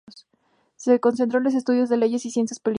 Se concentró en el estudio de Leyes y Ciencias Políticas.